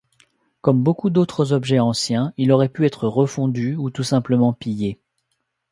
Comme beaucoup d’autres objets anciens, il aurait pu être refondu ou tout simplement pillé.